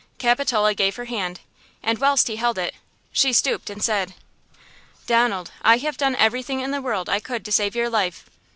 Capitola gave her hand, and whilst he held it, she stooped and said: "Donald, I have done everything in the world I could to save your life!"